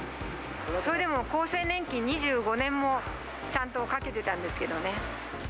それでも厚生年金２５年もちゃんとかけてたんですけどね。